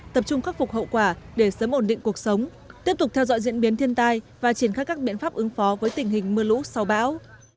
tập trung khắc phục hậu quả để sớm ổn định cuộc sống tiếp tục theo dõi diễn biến thiên tai và triển khai các biện pháp ứng phó với tình hình mưa lũ sau bão